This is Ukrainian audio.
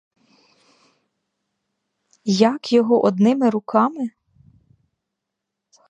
Як його одними руками?